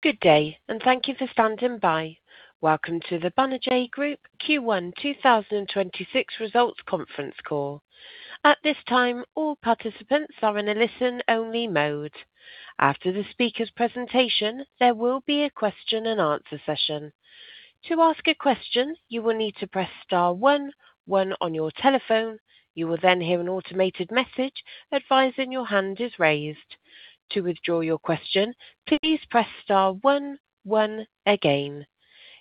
Good day, and thank you for standing by. Welcome to the Banijay Group Q1 2026 results conference call. At this time, all participants are in a listen-only mode. After the speaker's presentation, there will be a question-and-answer session. To ask a question, you will need to press star one on your telephone. You will then hear an automated message advising your hand is raised. To withdraw your question, please press star one one again.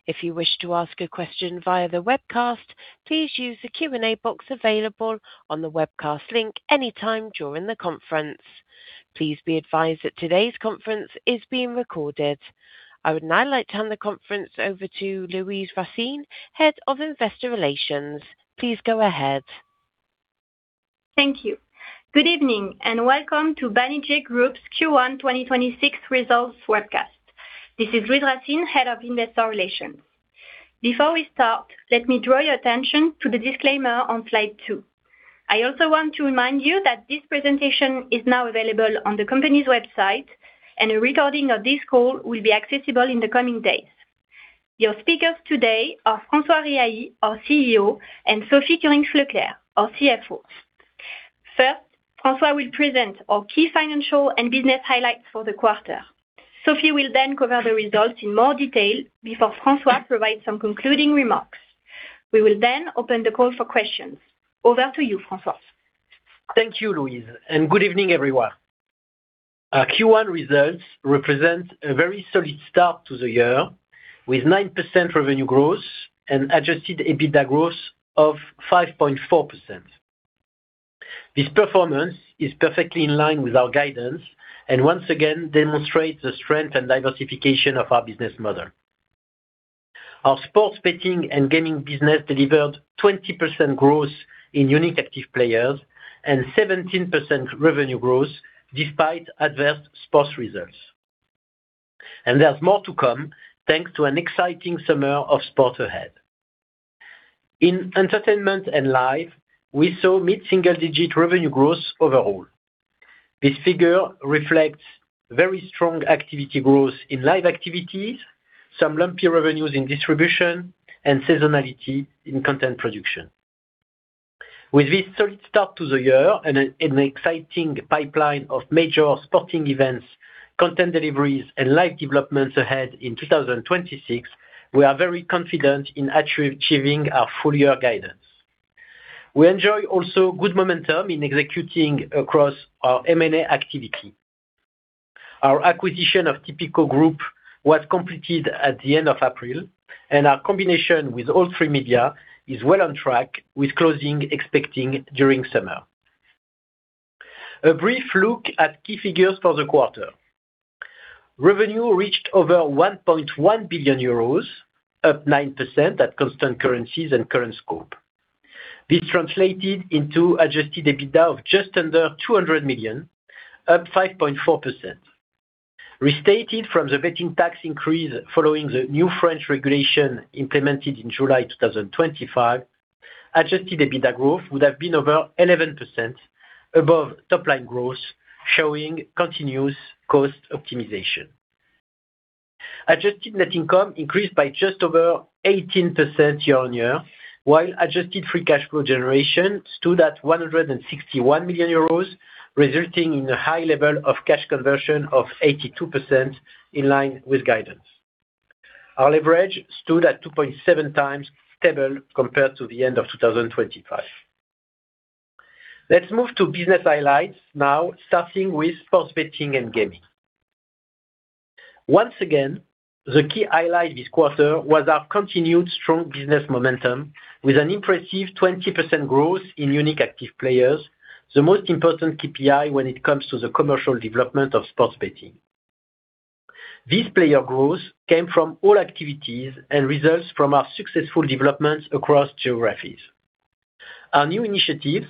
If you wish to ask a question via the webcast, please use the Q&A box available on the webcast link any time during the conference. Please be advised that today's conference is being recorded. I would now like to hand the conference over to Louise Racine, Head of Investor Relations. Please go ahead. Thank you. Good evening, and welcome to Banijay Group's Q1 2026 results webcast. This is Louise Racine, Head of Investor Relations. Before we start, let me draw your attention to the disclaimer on slide two. I also want to remind you that this presentation is now available on the company's website, and a recording of this call will be accessible in the coming days. Your speakers today are François Riahi, our CEO, and Sophie Kurinckx-Leclerc, our CFO. First, François will present our key financial and business highlights for the quarter. Sophie will then cover the results in more detail before François provides some concluding remarks. We will then open the call for questions. Over to you, François. Thank you, Louise, and good evening, everyone. Our Q1 results represent a very solid start to the year, with 9% revenue growth and adjusted EBITDA growth of 5.4%. This performance is perfectly in line with our guidance and once again demonstrates the strength and diversification of our business model. Our sports betting and gaming business delivered 20% growth in unique active players and 17% revenue growth despite adverse sports results. There's more to come thanks to an exciting summer of sport ahead. In Entertainment & Live, we saw mid-single-digit revenue growth overall. This figure reflects very strong activity growth in live activities, some lumpy revenues in distribution, and seasonality in content production. With this solid start to the year and an exciting pipeline of major sporting events, content deliveries, and live developments ahead in 2026, we are very confident in achieving our full-year guidance. We enjoy also good momentum in executing across our M&A activity. Our acquisition of Tipico Group was completed at the end of April, and our combination with All3Media is well on track, with closing expecting during summer. A brief look at key figures for the quarter. Revenue reached over 1.1 billion euros, up 9% at constant currencies and current scope. This translated into adjusted EBITDA of just under 200 million, up 5.4%. Restated from the betting tax increase following the new French regulation implemented in July 2025, adjusted EBITDA growth would have been over 11% above top-line growth, showing continuous cost optimization. Adjusted net income increased by just over 18% year-on-year, while adjusted free cash flow generation stood at 161 million euros, resulting in a high level of cash conversion of 82%, in line with guidance. Our leverage stood at 2.7x, stable compared to the end of 2025. Let's move to business highlights now, starting with sports betting and gaming. Once again, the key highlight this quarter was our continued strong business momentum, with an impressive 20% growth in unique active players, the most important KPI when it comes to the commercial development of sports betting. This player growth came from all activities and results from our successful developments across geographies. Our new initiatives,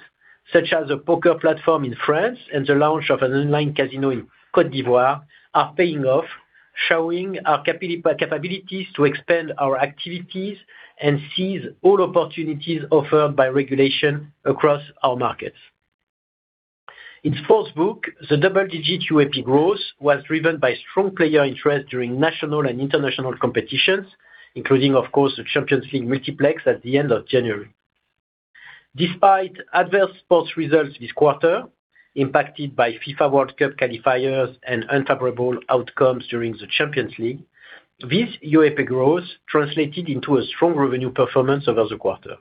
such as a poker platform in France and the launch of an online casino in Côte d'Ivoire, are paying off, showing our capabilities to expand our activities and seize all opportunities offered by regulation across our markets. In sportsbook, the double-digit UAP growth was driven by strong player interest during national and international competitions, including, of course, the Champions League multiplex at the end of January. Despite adverse sports results this quarter, impacted by FIFA World Cup qualifiers and unfavorable outcomes during the Champions League, this UAP growth translated into a strong revenue performance over the quarter.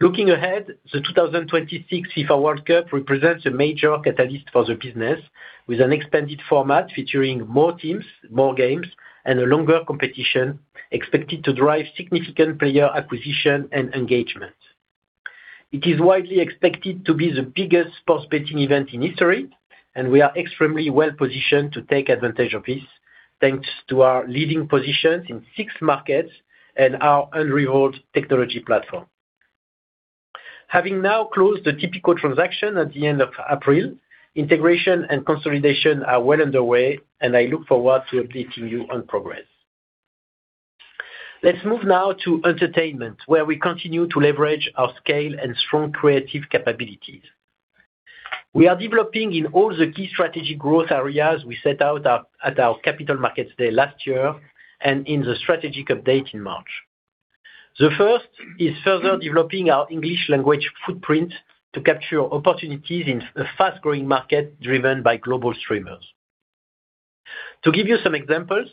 Looking ahead, the 2026 FIFA World Cup represents a major catalyst for the business, with an expanded format featuring more teams, more games, and a longer competition expected to drive significant player acquisition and engagement. It is widely expected to be the biggest sports betting event in history, and we are extremely well positioned to take advantage of this, thanks to our leading positions in six markets and our unrivaled technology platform. Having now closed the Tipico transaction at the end of April, integration and consolidation are well underway, and I look forward to updating you on progress. Let's move now to entertainment, where we continue to leverage our scale and strong creative capabilities. We are developing in all the key strategic growth areas we set out at our capital markets day last year and in the strategic update in March. The first is further developing our English language footprint to capture opportunities in a fast-growing market driven by global streamers. To give you some examples,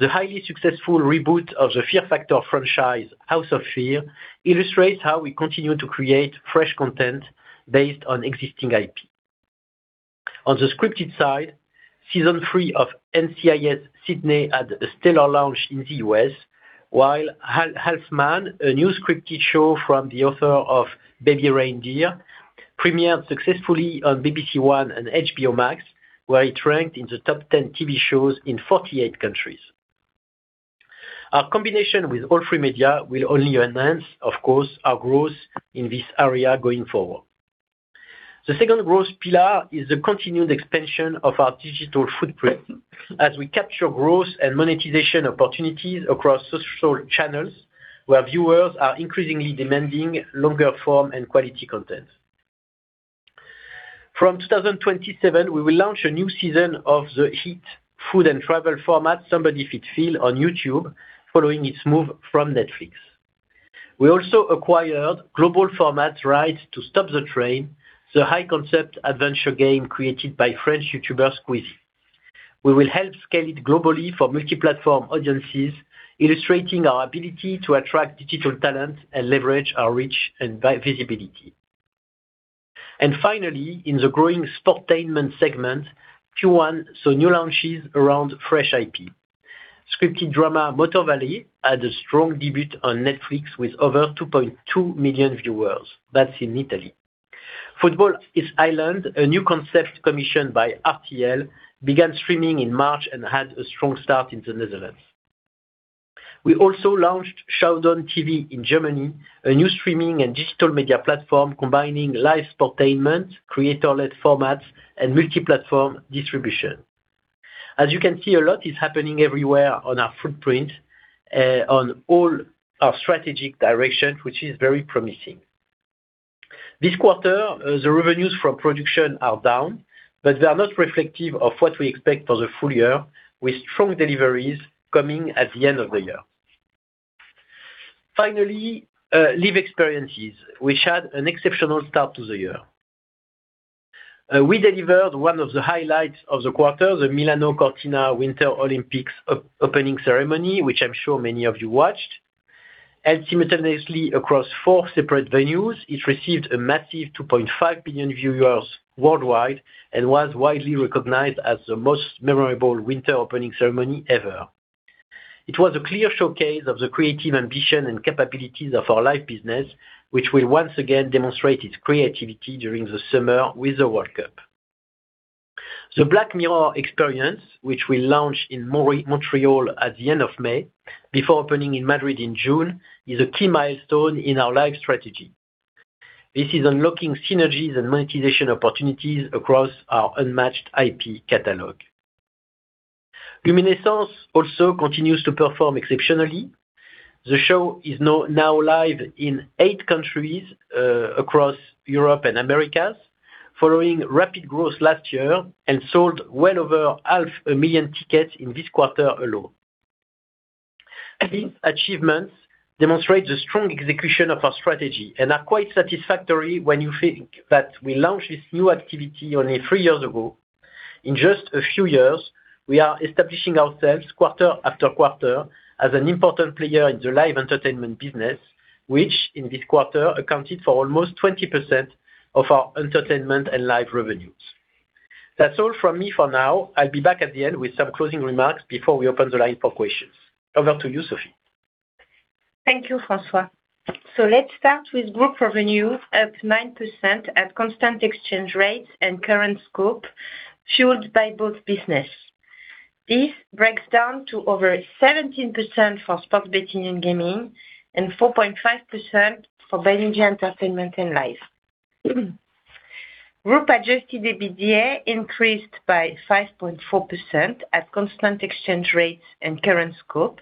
the highly successful reboot of the Fear Factor franchise, House of Fear, illustrates how we continue to create fresh content based on existing IP. On the scripted side, season 3 of NCIS: Sydney had a stellar launch in the U.S., while Half Man, a new scripted show from the author of Baby Reindeer, premiered successfully on BBC One and HBO Max, where it ranked in the top 10 TV shows in 48 countries. Our combination with All3Media will only enhance, of course, our growth in this area going forward. The second growth pillar is the continued expansion of our digital footprint as we capture growth and monetization opportunities across social channels, where viewers are increasingly demanding longer form and quality content. From 2027, we will launch a new season of the hit food and travel format, Somebody Feed Phil, on YouTube following its move from Netflix. We also acquired global format rights to Stop the Train, the high-concept adventure game created by French YouTuber Squeezie. We will help scale it globally for multi-platform audiences, illustrating our ability to attract digital talent and leverage our reach and visibility. Finally, in the growing sportainment segment, Q1 saw new launches around fresh IP. Scripted drama Motorvalley had a strong debut on Netflix with over 2.2 million viewers. That's in Italy. Football Island, a new concept commissioned by RTL, began streaming in March and had a strong start in the Netherlands. We also launched ShowdownTV in Germany, a new streaming and digital media platform combining live sportainment, creator-led formats, and multi-platform distribution. As you can see, a lot is happening everywhere on our footprint, on all our strategic directions, which is very promising. This quarter, the revenues from production are down, but they are not reflective of what we expect for the full year, with strong deliveries coming at the end of the year. Finally, live experiences, which had an exceptional start to the year. We delivered one of the highlights of the quarter, the Milano Cortina Winter Olympics opening ceremony, which I'm sure many of you watched. Simultaneously across four separate venues, it received a massive 2.5 billion viewers worldwide and was widely recognized as the most memorable winter opening ceremony ever. It was a clear showcase of the creative ambition and capabilities of our live business, which will once again demonstrate its creativity during the summer with the World Cup. The Black Mirror Experience, which will launch in Montreal at the end of May, before opening in Madrid in June, is a key milestone in our live strategy. This is unlocking synergies and monetization opportunities across our unmatched IP catalog. Luminescence also continues to perform exceptionally. The show is now live in eight countries across Europe and Americas following rapid growth last year and sold well over half a million tickets in this quarter alone. These achievements demonstrate the strong execution of our strategy and are quite satisfactory when you think that we launched this new activity only three years ago. In just a few years, we are establishing ourselves quarter after quarter as an important player in the live entertainment business, which in this quarter accounted for almost 20% of our Entertainment & Live revenues. That's all from me for now. I'll be back at the end with some closing remarks before we open the line for questions. Over to you, Sophie. Thank you, François. Let's start with group revenue, up 9% at constant exchange rates and current scope, fueled by both business. This breaks down to over 17% for sports betting and gaming and 4.5% for Banijay Entertainment & Live. Group adjusted EBITDA increased by 5.4% at constant exchange rates and current scope,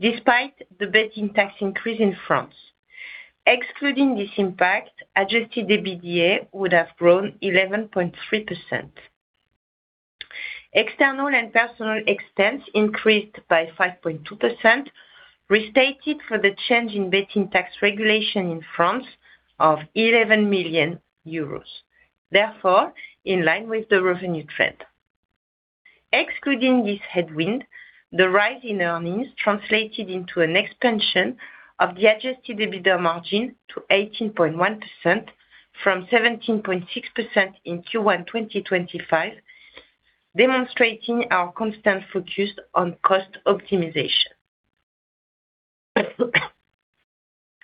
despite the betting tax increase in France. Excluding this impact, adjusted EBITDA would have grown 11.3%. External and personnel expense increased by 5.2%, restated for the change in betting tax regulation in France of 11 million euros, therefore in line with the revenue trend. Excluding this headwind, the rise in earnings translated into an expansion of the adjusted EBITDA margin to 18.1% from 17.6% in Q1 2025, demonstrating our constant focus on cost optimization.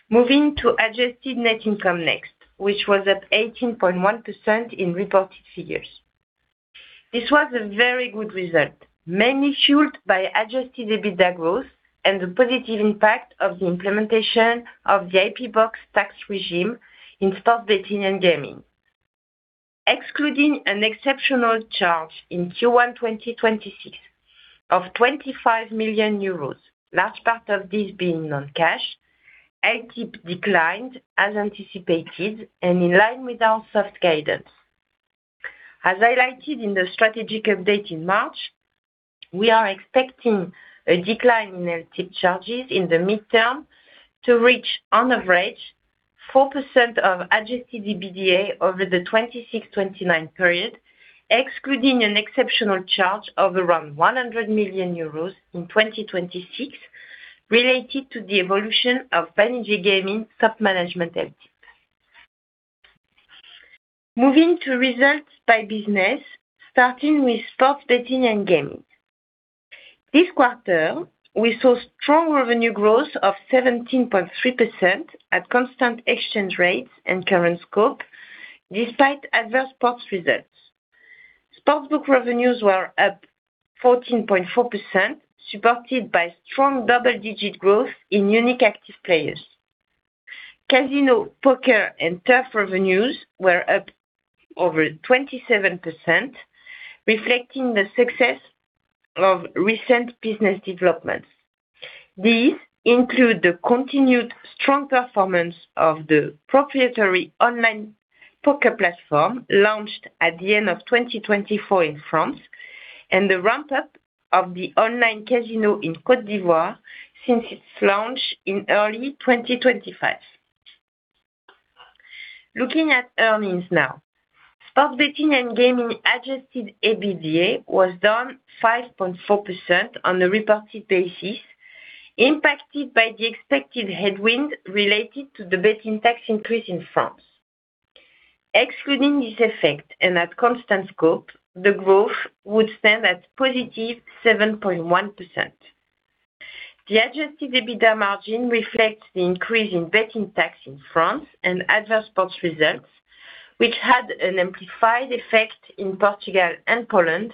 Moving to adjusted net income next, which was up 18.1% in reported figures. This was a very good result, mainly fueled by adjusted EBITDA growth and the positive impact of the implementation of the IP Box tax regime in sports betting and gaming. Excluding an exceptional charge in Q1 2026 of 25 million euros, large part of this being non-cash, LTIP declined as anticipated and in line with our soft guidance. As highlighted in the strategic update in March, we are expecting a decline in LTIP charges in the midterm to reach on average 4% of adjusted EBITDA over the 2026-2029 period, excluding an exceptional charge of around 100 million euros in 2026 related to the evolution of Betclic top management LTIP. Moving to results by business, starting with sports betting and gaming. This quarter, we saw strong revenue growth of 17.3% at constant exchange rates and current scope, despite adverse sports results. Sportsbook revenues were up 14.4%, supported by strong double-digit growth in unique active players. Casino, poker, and turf revenues were up over 27%, reflecting the success of recent business developments. These include the continued strong performance of the proprietary online poker platform launched at the end of 2024 in France, and the ramp-up of the online casino in Côte d'Ivoire since its launch in early 2025. Looking at earnings now. Sports betting and gaming adjusted EBITDA was down 5.4% on a reported basis, impacted by the expected headwind related to the betting tax increase in France. Excluding this effect and at constant scope, the growth would stand at positive 7.1%. The adjusted EBITDA margin reflects the increase in betting tax in France and adverse sports results, which had an amplified effect in Portugal and Poland,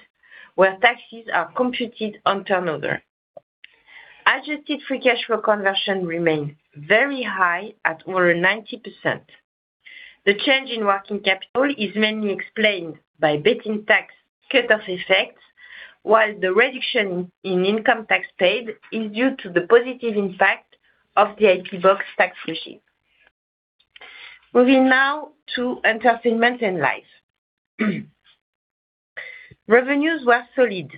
where taxes are computed on turnover. Adjusted free cash flow conversion remained very high at over 90%. The change in working capital is mainly explained by betting tax cut-off effects, while the reduction in income tax paid is due to the positive impact of the IP Box tax regime. Moving now to Entertainment and Live. Revenues were solid,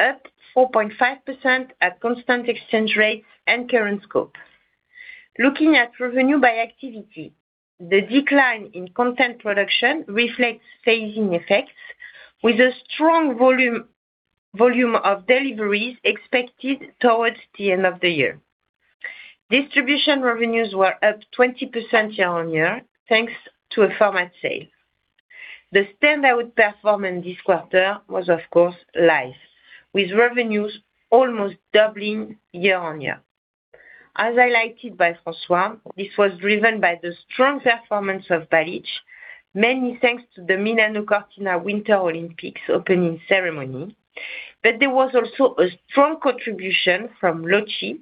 up 4.5% at constant exchange rates and current scope. Looking at revenue by activity, the decline in content production reflects phasing effects, with a strong volume of deliveries expected towards the end of the year. Distribution revenues were up 20% year-on-year, thanks to a format sale. The standout performance this quarter was, of course, live, with revenues almost doubling year on year. As highlighted by François, this was driven by the strong performance of Balich, mainly thanks to the Milano Cortina Winter Olympics opening ceremony. There was also a strong contribution from Lychee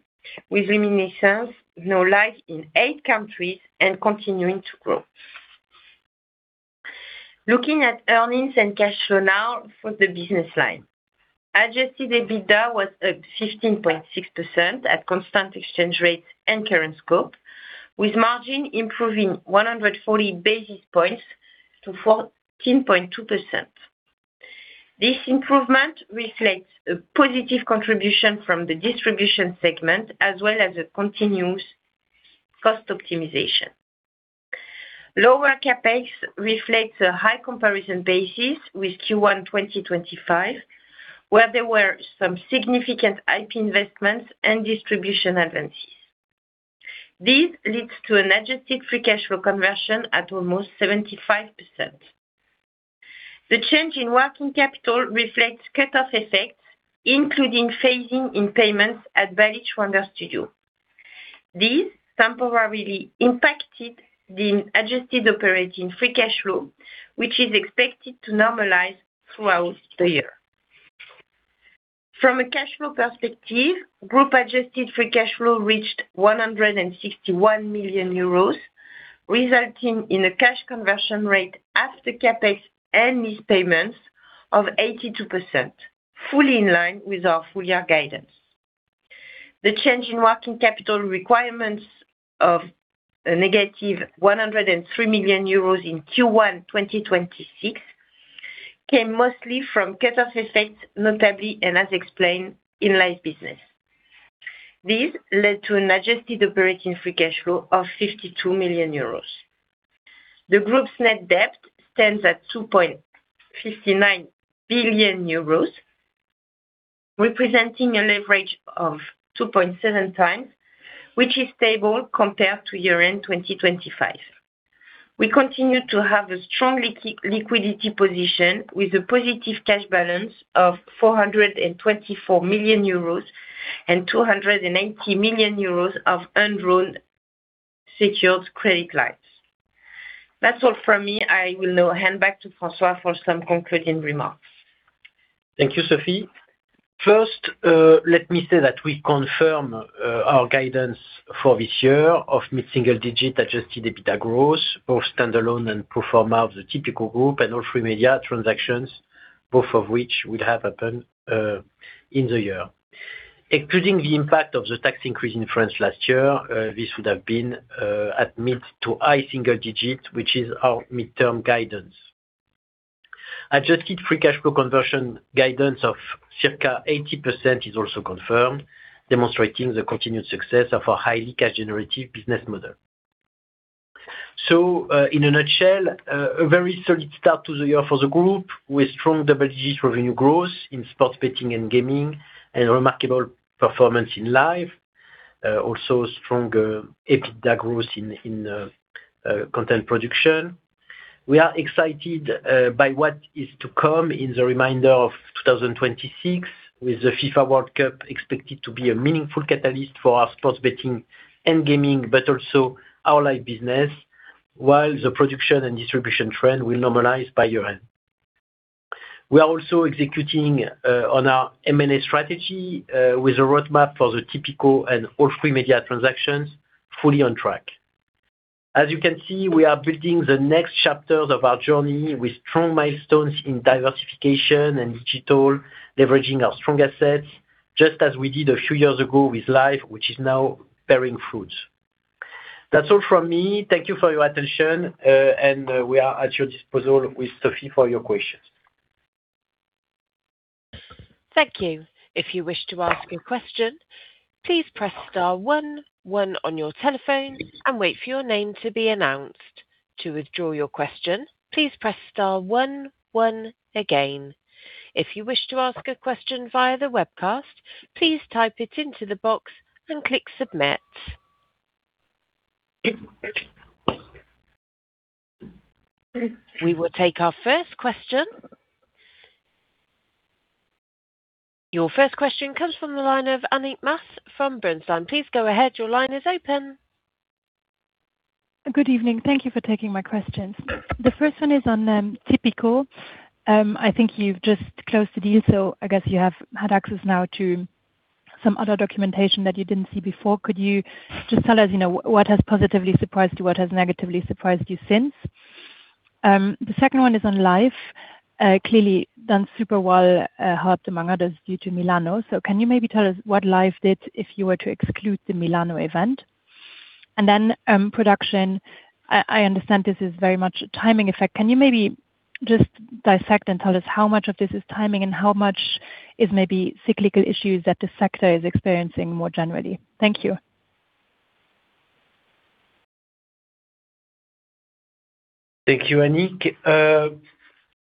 with Luminescence, now live in eight countries and continuing to grow. Looking at earnings and cash flow now for the business line. Adjusted EBITDA was up 15.6% at constant exchange rates and current scope, with margin improving 140 basis points to 14.2%. This improvement reflects a positive contribution from the distribution segment as well as a continuous cost optimization. Lower CapEx reflects a high comparison basis with Q1 2025, where there were some significant IP investments and distribution advances. This leads to an adjusted free cash flow conversion at almost 75%. The change in working capital reflects cut-off effects, including phasing in payments at Balich Wonder Studio. This temporarily impacted the adjusted operating free cash flow, which is expected to normalize throughout the year. From a cash flow perspective, group adjusted free cash flow reached 161 million euros, resulting in a cash conversion rate after CapEx and these payments of 82%, fully in line with our full year guidance. The change in working capital requirements of -103 million euros in Q1 2026 came mostly from cut-off effects, notably and as explained in live business. This led to an adjusted operating free cash flow of 52 million euros. The group's net debt stands at 2.59 billion euros, representing a leverage of 2.7x, which is stable compared to year-end 2025. We continue to have a strong liquidity position with a positive cash balance of 424 million euros and 280 million euros of undrawn secured credit lines. That's all from me. I will now hand back to François for some concluding remarks. Thank you, Sophie. First, let me say that we confirm our guidance for this year of mid-single-digit adjusted EBITDA growth, both standalone and pro forma of the Tipico Group and All3Media transactions, both of which would have happened in the year. Excluding the impact of the tax increase in France last year, this would have been at mid-to-high single-digit, which is our midterm guidance. Adjusted free cash flow conversion guidance of circa 80% is confirmed, demonstrating the continued success of our highly cash generative business model. In a nutshell, a very solid start to the year for the group with strong double-digit revenue growth in sports betting and gaming and remarkable performance in live. Stronger EBITDA growth in content production. We are excited by what is to come in the remainder of 2026 with the FIFA World Cup expected to be a meaningful catalyst for our sports betting and gaming, but also our live business, while the production and distribution trend will normalize by year-end. We are also executing on our M&A strategy with a roadmap for the Tipico and All3Media transactions fully on track. As you can see, we are building the next chapters of our journey with strong milestones in diversification and digital, leveraging our strong assets, just as we did a few years ago with Live, which is now bearing fruits. That's all from me. Thank you for your attention, and we are at your disposal with Sophie for your questions. Thank you. If you wish to ask a question, please press star one one on your telephone and wait for your name to be announced. To withdraw your question, please press star one one again. If you wish to ask a question via the webcast, please type it into the box and click submit. We will take our first question. Your first question comes from the line of Annick Maas from Bernstein. Please go ahead. Your line is open. Good evening. Thank you for taking my questions. The first one is on Tipico. I think you've just closed the deal, so I guess you have had access now to some other documentation that you didn't see before. Could you just tell us, you know, what has positively surprised you, what has negatively surprised you since? The second one is on live. Clearly done super well, helped among others due to Milano. Can you maybe tell us what live did if you were to exclude the Milano event? Production. I understand this is very much a timing effect. Can you maybe just dissect and tell us how much of this is timing and how much is maybe cyclical issues that the sector is experiencing more generally? Thank you. Thank you, Annick.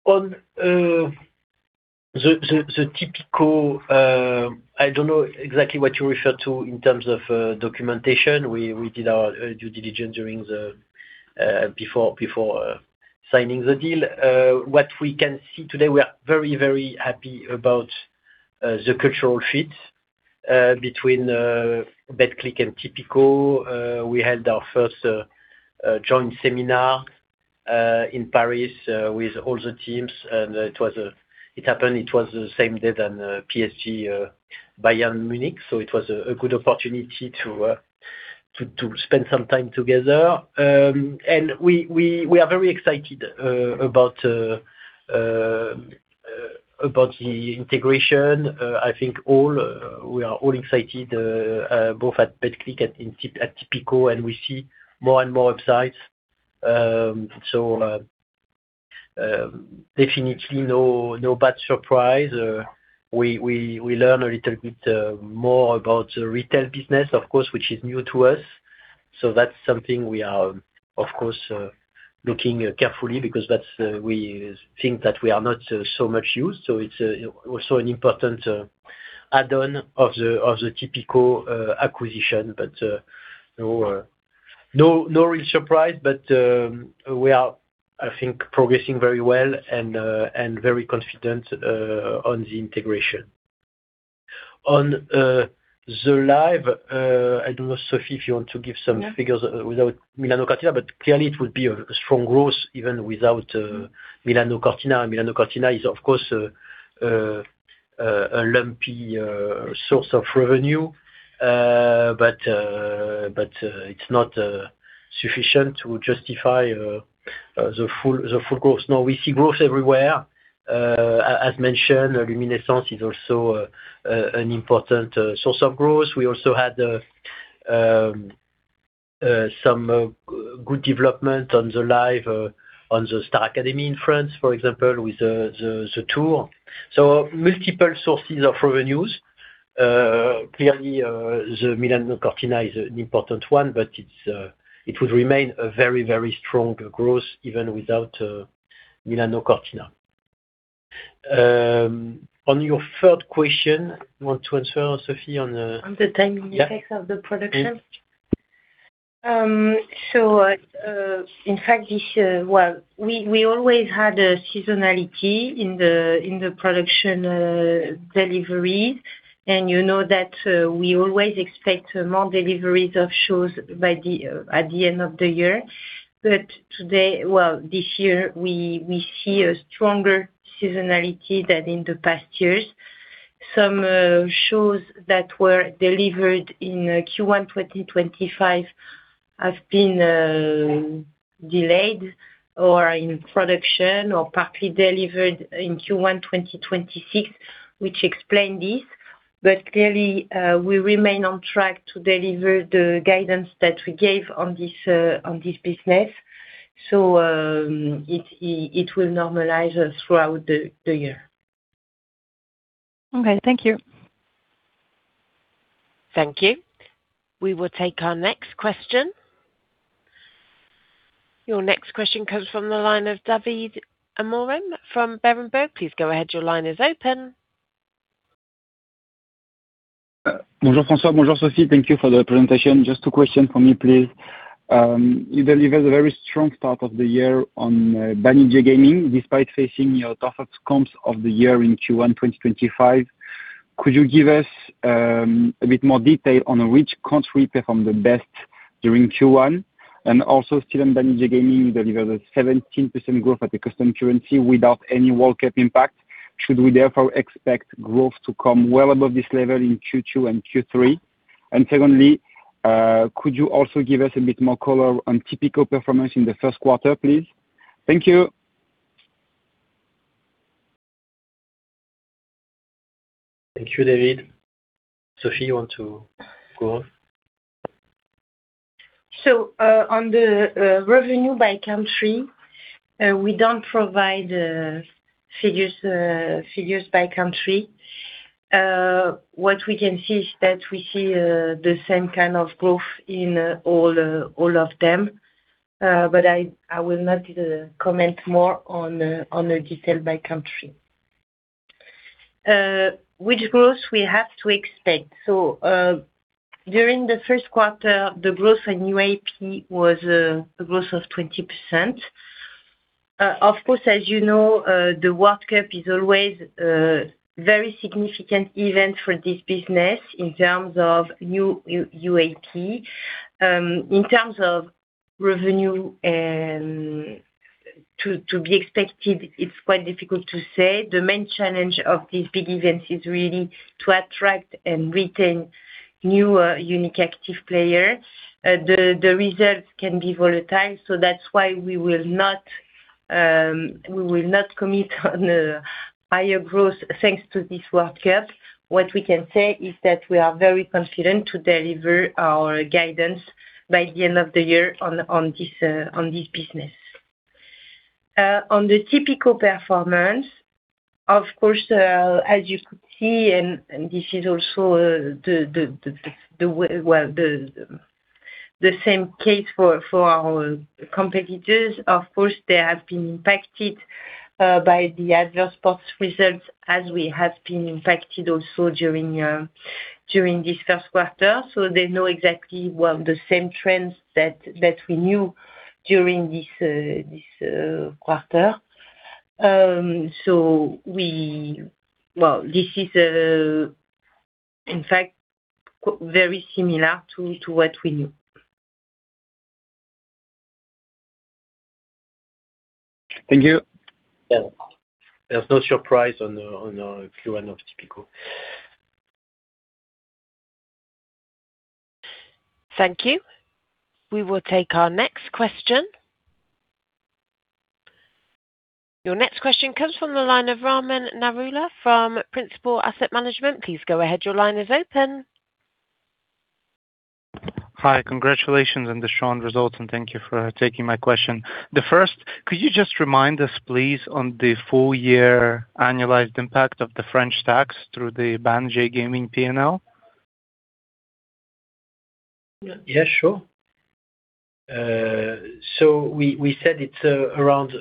On the Tipico, I don't know exactly what you refer to in terms of documentation. We did our due diligence during the before signing the deal. What we can see today, we are very happy about the cultural fit between Betclic and Tipico. We had our first joint seminar in Paris with all the teams, and it happened, it was the same day than PSG, Bayern Munich. It was a good opportunity to spend some time together. We are very excited about the integration. I think we are all excited both at Betclic and at Tipico, we see more and more upsides. Definitely no bad surprise. We learn a little bit more about the retail business, of course, which is new to us. That's something we are, of course, looking carefully because that's, we think that we are not so much used. It's also an important add-on of the Tipico acquisition. No real surprise, we are, I think, progressing very well and very confident on the integration. On the live, I don't know, Sophie, if you want to give some figures without Milano-Cortina, but clearly it would be a strong growth even without Milano-Cortina. Milano-Cortina is, of course, a lumpy source of revenue. It's not sufficient to justify the full growth. No, we see growth everywhere. As mentioned, Luminescence is also an important source of growth. We also had some good development on the live, on the Star Academy in France, for example, with the tour. Multiple sources of revenues. Clearly, the Milano-Cortina is an important one, but it would remain a very, very strong growth even without Milano-Cortina. On your third question, you want to answer, Sophie. On the timing effects of the production? Yeah. In fact, this, well, we always had a seasonality in the production deliveries. You know that we always expect more deliveries of shows by the at the end of the year. Well, this year, we see a stronger seasonality than in the past years. Some shows that were delivered in Q1 2025 have been delayed or are in production or partly delivered in Q1 2026, which explain this. Clearly, we remain on track to deliver the guidance that we gave on this on this business. It will normalize throughout the year. Okay. Thank you. Thank you. We will take our next question. Your next question comes from the line of Davide Amorim from Berenberg. Please go ahead. Your line is open. Bonjour, François. Bonjour, Sophie. Thank you for the presentation. Just two question from me, please. You delivered a very strong start of the year on Banijay Gaming, despite facing your toughest comps of the year in Q1 2025. Could you give us a bit more detail on which country performed the best during Q1? Also still on Banijay Gaming, you delivered a 17% growth at the custom currency without any World Cup impact. Should we therefore expect growth to come well above this level in Q2 and Q3? Secondly, could you also give us a bit more color on Tipico performance in the first quarter, please? Thank you. Thank you, David. Sophie, you want to go on? On the revenue by country, we don't provide figures by country. What we can see is that we see the same kind of growth in all of them. But I will not comment more on the detail by country. Which growth we have to expect. During the first quarter, the growth in UAP was a growth of 20%. Of course, as you know, the World Cup is always a very significant event for this business in terms of new UAP. In terms of revenue, to be expected, it's quite difficult to say. The main challenge of these big events is really to attract and retain new unique active player. The results can be volatile, so that's why we will not commit on higher growth thanks to this World Cup. What we can say is that we are very confident to deliver our guidance by the end of the year on this business. On the Tipico performance, of course, as you could see, and this is also the same case for our competitors. Of course, they have been impacted by the adverse sports results as we have been impacted also during this first quarter. They know exactly, well, the same trends that we knew during this quarter. Well, this is in fact very similar to what we knew. Thank you. Yeah. There's no surprise on Q1 of Tipico. Thank you. We will take our next question. Your next question comes from the line of Raman Narula from Principal Asset Management. Please go ahead. Your line is open. Hi. Congratulations on the strong results, and thank you for taking my question. The first, could you just remind us, please, on the full year annualized impact of the French tax through the Banijay Gaming P&L? Sure. We said it's around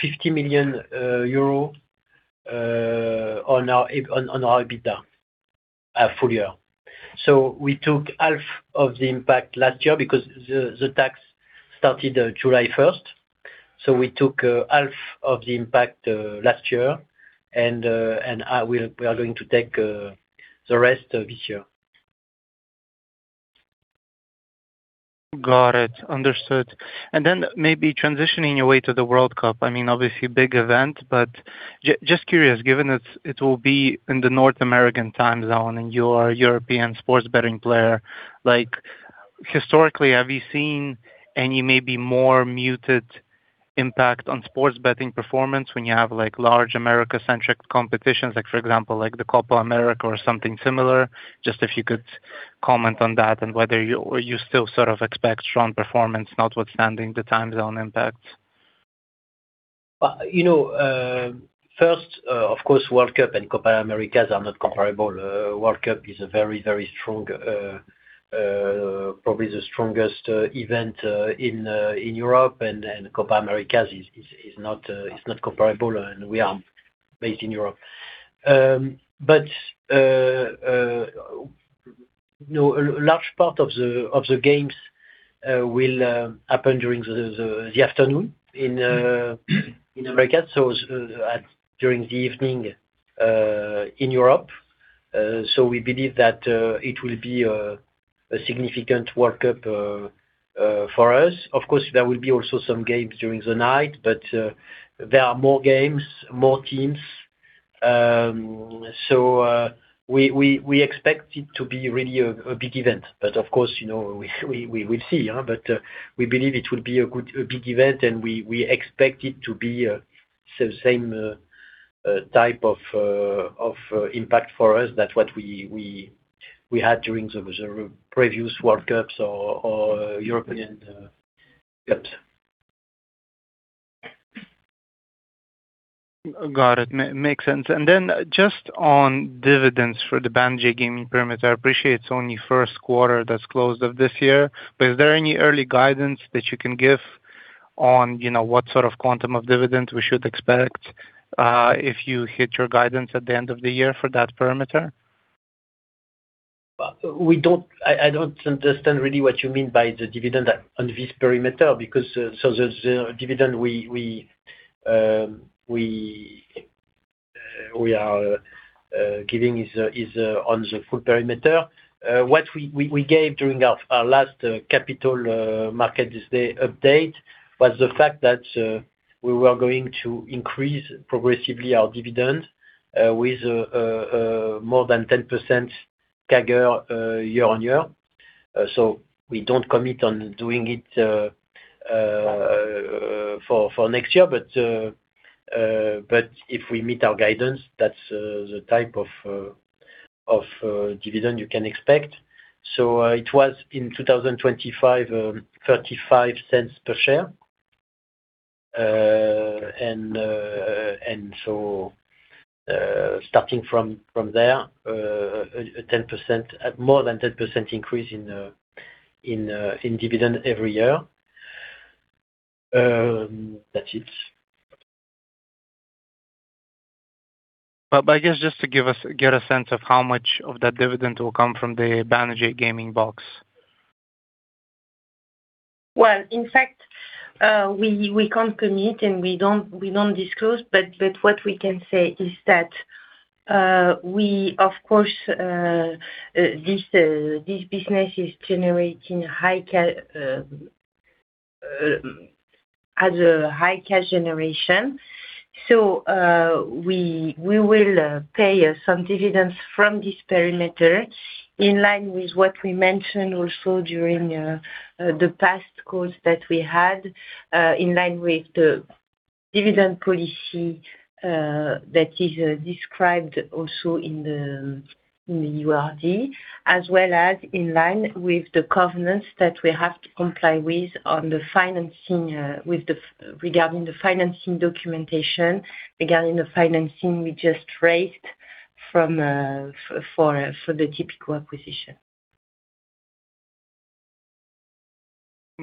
50 million euro on our EBITDA full year. We took half of the impact last year because the tax started July 1st. We took half of the impact last year and we are going to take the rest this year. Got it. Understood. Maybe transitioning your way to the World Cup, I mean, obviously big event, but just curious, given it will be in the North American time zone and you are a European sports betting player, like historically, have you seen any maybe more muted impact on sports betting performance when you have like large America-centric competitions, like for example, like the Copa América or something similar? Just if you could comment on that and whether or you still sort of expect strong performance notwithstanding the time zone impact. You know, first, of course, World Cup and Copa América are not comparable. World Cup is a very, very strong, probably the strongest event in Europe, and Copa América is not comparable, and we are based in Europe. A large part of the games will happen during the afternoon in America. During the evening in Europe. We believe that it will be a significant World Cup for us. Of course, there will be also some games during the night. There are more games, more teams. We expect it to be really a big event. Of course, you know, we'll see. We believe it will be a good a big event and we expect it to be the same type of impact for us. That's what we had during the previous World Cups or European Cups. Got it. Makes sense. Then just on dividends for the Banijay Gaming perimeter. I appreciate it's only first quarter that's closed of this year. Is there any early guidance that you can give on, you know, what sort of quantum of dividends we should expect if you hit your guidance at the end of the year for that perimeter? We don't understand really what you mean by the dividend on this perimeter because the dividend we are giving is on the full perimeter. What we gave during our last capital markets day update was the fact that we were going to increase progressively our dividend with more than 10% CAGR year-on-year. We don't commit on doing it for next year. If we meet our guidance, that's the type of dividend you can expect. It was in 2025, 0.35 per share. Starting from there, at more than 10% increase in dividend every year. That's it. I guess just to get a sense of how much of that dividend will come from the Banijay gaming box? Well, in fact, we can't commit and we don't disclose. What we can say is that we of course, this business has a high cash generation. We will pay some dividends from this perimeter in line with what we mentioned also during the past calls that we had. In line with the dividend policy that is described also in the URD, as well as in line with the covenants that we have to comply with on the financing, regarding the financing documentation, regarding the financing we just raised from for the Tipico acquisition.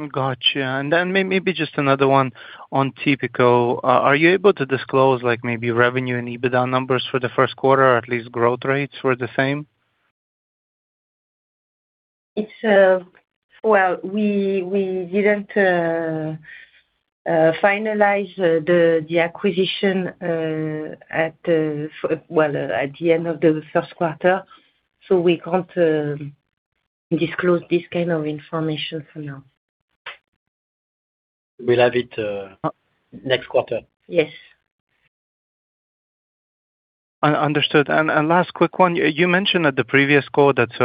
Gotcha. Maybe just another one on Tipico. Are you able to disclose like maybe revenue and EBITDA numbers for the first quarter, or at least growth rates were the same? It's Well, we didn't finalize the acquisition at the end of the first quarter. We can't disclose this kind of information for now. We'll have it next quarter. Yes. Last quick one. You mentioned at the previous call that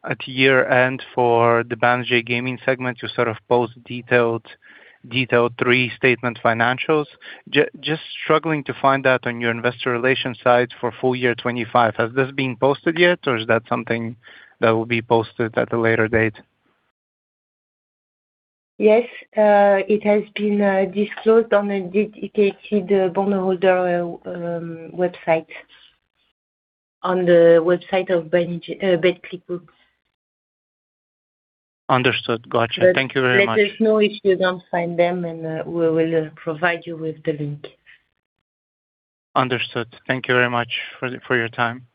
at year-end for the Banijay Gaming segment, you post detailed restatement financials. Just struggling to find that on your investor relations site for full year 2025. Has this been posted yet, or is that something that will be posted at a later date? Yes. It has been disclosed on a dedicated bondholder website. On the website of Banijay Betclic Group. Understood. Gotcha. Thank you very much. Let us know if you don't find them. We will provide you with the link. Understood. Thank you very much for your time.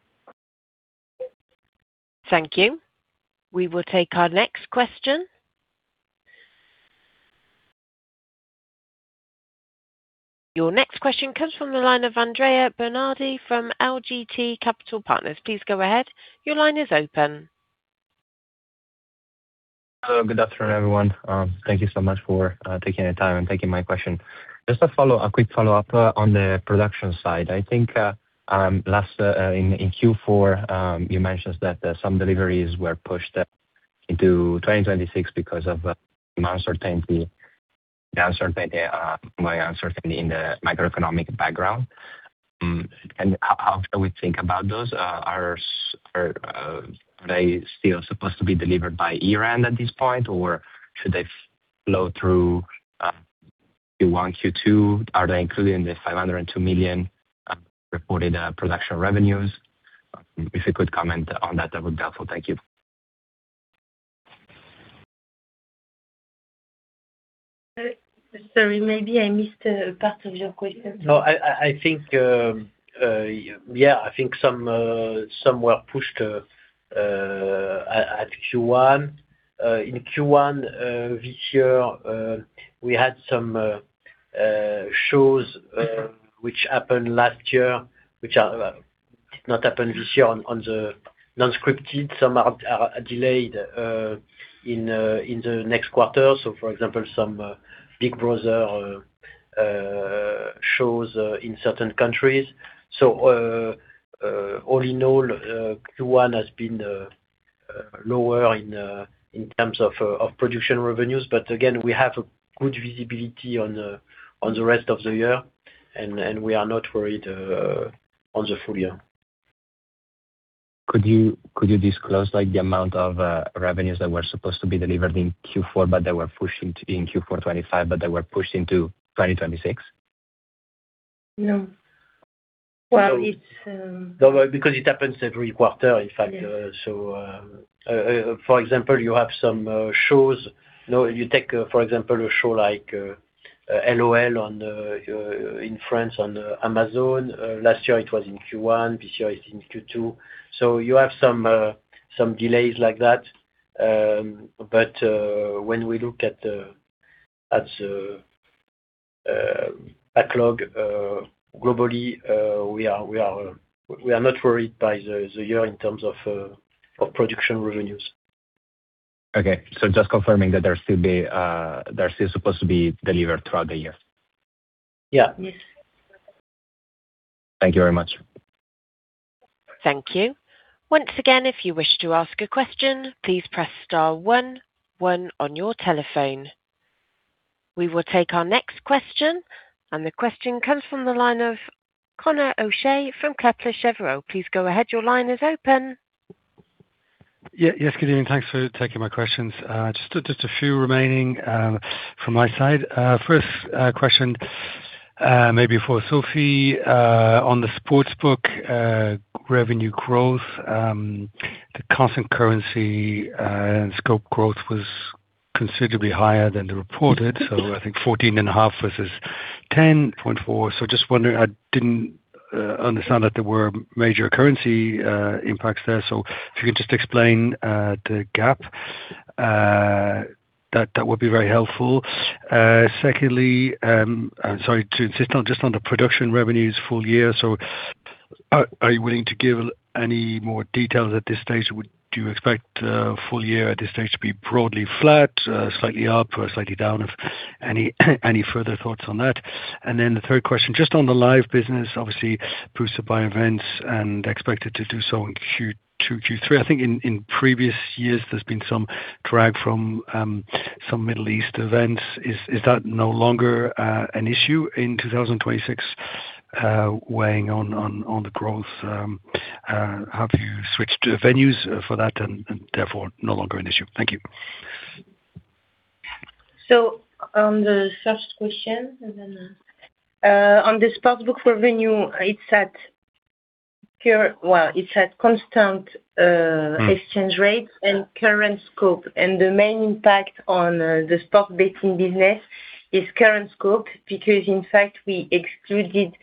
Thank you. We will take our next question. Your next question comes from the line of Andrea Bernardi from LGT Capital Partners. Please go ahead. Your line is open. Hello. Good afternoon, everyone. Thank you so much for taking the time and taking my question. Just a quick follow-up on the production side. I think last in Q4, you mentioned that some deliveries were pushed into 2026 because of uncertainty in the macroeconomic background. How can we think about those? Are they still supposed to be delivered by year-end at this point, or should they flow through Q1, Q2? Are they included in the 502 million reported production revenues? If you could comment on that would be helpful. Thank you. Sorry, maybe I missed a part of your question. No, I think, yeah, I think some were pushed at Q1. In Q1 this year, we had some shows which happened last year, which did not happen this year on the non-scripted. Some are delayed in the next quarter. For example, some Big Brother shows in certain countries. All in all, Q1 has been lower in terms of production revenues. Again, we have a good visibility on the rest of the year and we are not worried on the full year. Could you disclose like the amount of revenues that were supposed to be delivered in Q four but they were pushing to be in Q4 2025 but they were pushed into 2026? No. Well, it's No, because it happens every quarter, in fact. Yes. For example you have some shows. No, you take for example a show like LOL in France on Amazon. Last year it was in Q1, this year it's in Q2. You have some delays like that. When we look at the backlog globally, we are not worried by the year in terms of production revenues. Okay. Just confirming that they're still supposed to be delivered throughout the year? Yeah. Yes. Thank you very much. Thank you. Once again, if you wish to ask a question, please press star one one on your telephone. We will take our next question. The question comes from the line of Conor O'Shea from Kepler Cheuvreux. Please go ahead, your line is open. Yes, good evening. Thanks for taking my questions. Just a few remaining from my side. First question, maybe for Sophie. On the sportsbook revenue growth, the constant currency and scope growth was considerably higher than the reported. I think 14.5 versus 10.4. Just wondering, I didn't understand that there were major currency impacts there. If you could just explain the gap, that would be very helpful. Secondly, I'm sorry to insist on just on the production revenues full year. Are you willing to give any more details at this stage? Do you expect full year at this stage to be broadly flat, slightly up or slightly down, if any further thoughts on that? The third question, just on the live business, obviously boosted by events and expected to do so in Q2, Q3. I think in previous years there's been some drag from some Middle East events. Is that no longer an issue in 2026, weighing on the growth? Have you switched venues for that and therefore no longer an issue? Thank you. On the first question and then on the sportsbook revenue, Well, it's at constant exchange rates and current scope. The main impact on the sports betting business is current scope, because in fact we excluded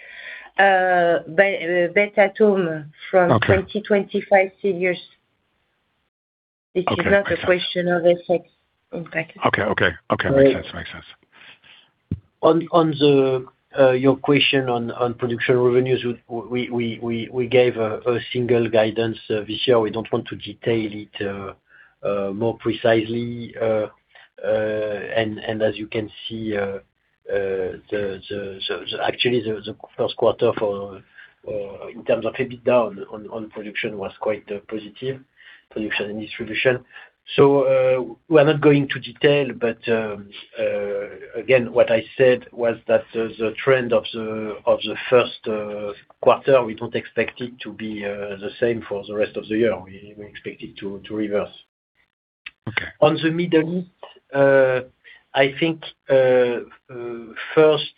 bet-at-home from. Okay. 2025 figures. Okay. This is not a question of effect impact. Okay. Okay. Okay. Makes sense. Makes sense. Your question on production revenues, we gave a single guidance this year. We don't want to detail it more precisely. As you can see, actually the first quarter for in terms of EBITDA on production was quite positive, production and distribution. We're not going to detail, but again, what I said was that the trend of the first quarter, we don't expect it to be the same for the rest of the year. We expect it to reverse. Okay. On the Middle East, I think, first,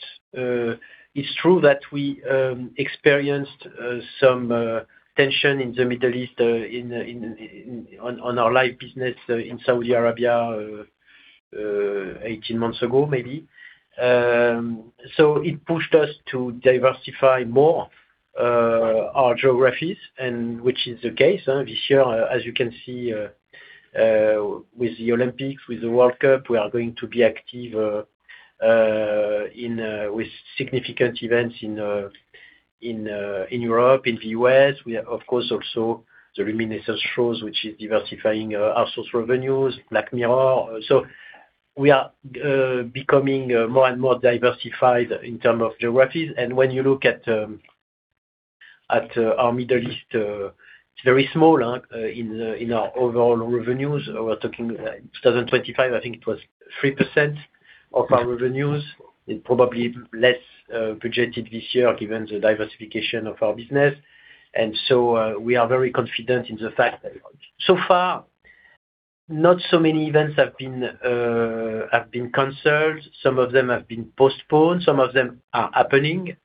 it's true that we experienced some tension in the Middle East, on our live business in Saudi Arabia, 18 months ago, maybe. It pushed us to diversify more our geographies and which is the case this year. As you can see, with the Olympics, with the World Cup, we are going to be active with significant events in Europe, in the U.S. We of course also the Luminescence shows, which is diversifying our source revenues, Black Mirror. We are becoming more and more diversified in terms of geographies. When you look at our Middle East, it's very small in our overall revenues. We're talking 2025, I think it was 3% of our revenues. It probably less projected this year given the diversification of our business. We are very confident in the fact that so far not so many events have been canceled. Some of them have been postponed, some of them are happening.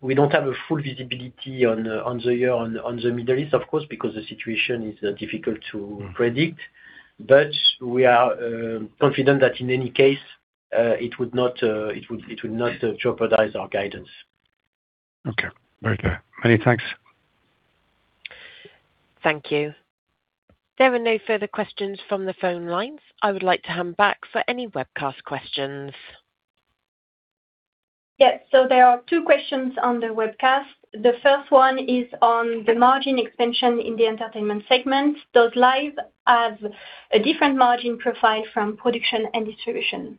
We don't have a full visibility on the year, on the Middle East, of course, because the situation is difficult to predict. We are confident that in any case, it would not jeopardize our guidance. Okay. Very clear. Many thanks. Thank you. There are no further questions from the phone lines. I would like to hand back for any webcast questions. Yes. There are two questions on the webcast. The 1st one is on the margin expansion in the entertainment segment. Does live have a different margin profile from production and distribution?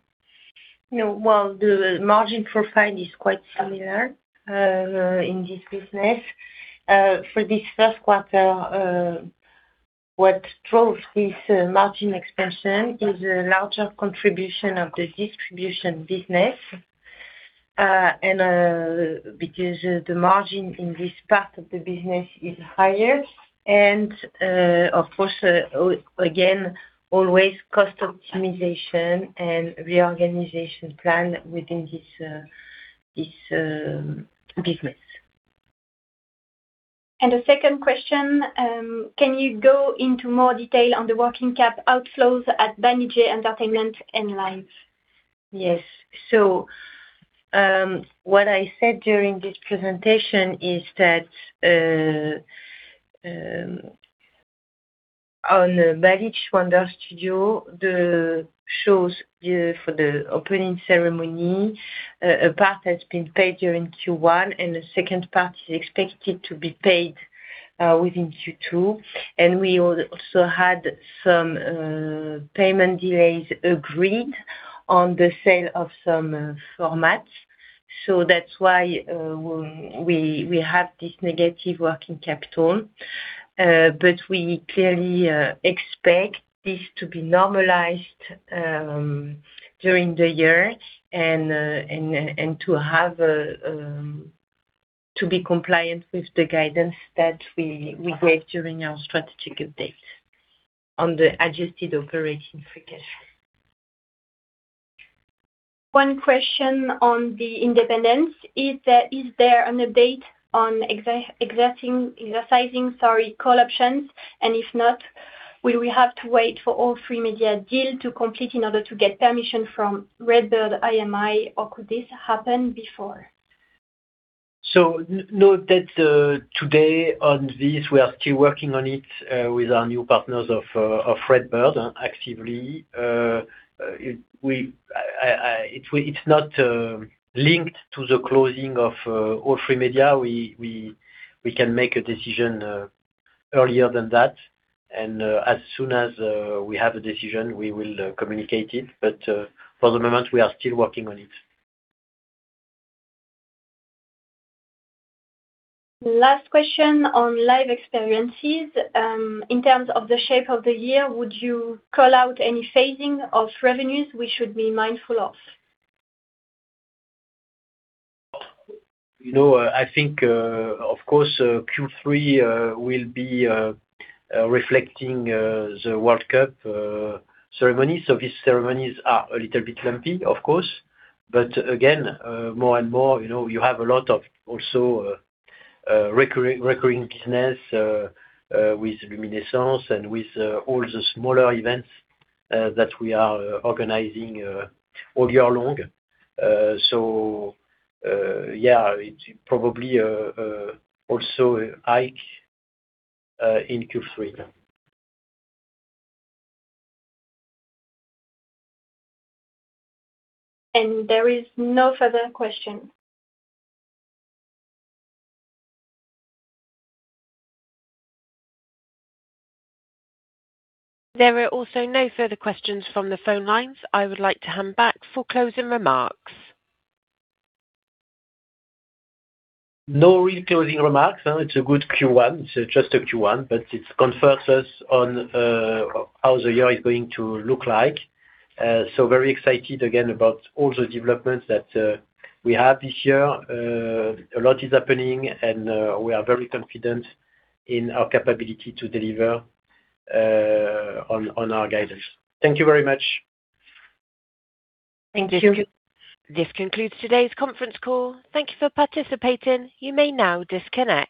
No. Well, the margin profile is quite similar in this business. For this first quarter, what drove this margin expansion is a larger contribution of the distribution business, and because the margin in this part of the business is higher and, of course, again, always cost optimization and reorganization plan within this business. The second question, can you go into more detail on the working cap outflows at Banijay Entertainment & Live? Yes. What I said during this presentation is that on the Balich Wonder Studio, the shows for the opening ceremony, a part has been paid during Q1 and the second part is expected to be paid within Q2. We also had some payment delays agreed on the sale of some formats. That's why we have this negative working capital. We clearly expect this to be normalized during the year and to have a to be compliant with the guidance that we gave during our strategic update on the adjusted operating free cash flow. One question on the independence. Is there an update on exercising, sorry, call options? If not, will we have to wait for All3Media deal to complete in order to get permission from RedBird IMI, or could this happen before? Note that, today on this, we are still working on it, with our new partners of RedBird actively. It's not linked to the closing of All3Media. We can make a decision earlier than that. As soon as we have a decision, we will communicate it. For the moment, we are still working on it. Last question on live experiences. In terms of the shape of the year, would you call out any phasing of revenues we should be mindful of? You know, I think, of course, Q3 will be reflecting the World Cup ceremony. These ceremonies are a little bit lumpy, of course. Again, more and more, you know, you have a lot of also recurring business with Luminescence and with all the smaller events that we are organizing all year long. Yeah, it probably also hike in Q3. There is no further question. There are also no further questions from the phone lines. I would like to hand back for closing remarks. No real closing remarks. It's a good Q1. It's just a Q1, but it confirms us on how the year is going to look like. Very excited again about all the developments that we have this year. A lot is happening, and we are very confident in our capability to deliver on our guidance. Thank you very much. Thank you. This concludes today's conference call. Thank you for participating. You may now disconnect.